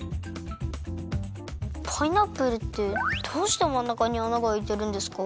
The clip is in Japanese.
パイナップルってどうしてまんなかに穴があいてるんですか？